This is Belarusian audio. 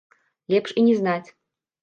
Лепш і не знаць.